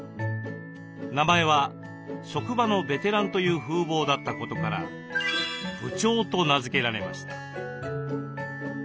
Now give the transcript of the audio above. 名前は職場のベテランという風貌だったことから「部長」と名付けられました。